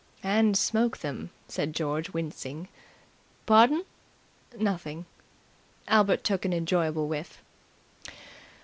"And smoke them," said George, wincing. "Pardon?" "Nothing." Albert took an enjoyable whiff.